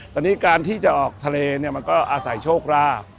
ตอนนี้การที่จะออกทะเลเนี่ยมันก็อาศัยโชคราบ